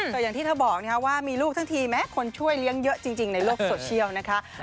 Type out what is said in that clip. แต่อย่างที่เธอบอกว่ามีลูกทั้งทีแม้คนช่วยเลี้ยงเยอะจริงในโลกโซเชียลนะคะ